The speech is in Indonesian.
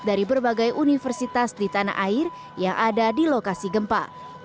dari berbagai universitas di tanah air yang ada di lokasi gempa